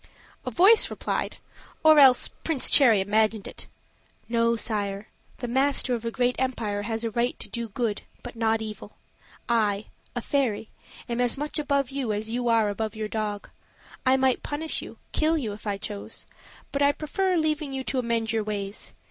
A voice replied, or else Prince Cherry imagined it, "No, sire; the master of a great empire has a right to do good, but not evil. I a fairy am as much above you as you are above your dog. I might punish you, kill you, if I chose; but I prefer leaving you to amend your ways.